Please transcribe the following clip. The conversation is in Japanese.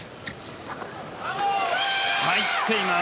入っています。